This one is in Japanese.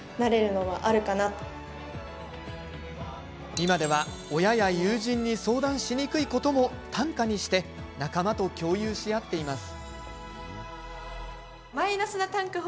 今では親や友人に相談しにくいことも、短歌にして仲間と共有し合っています。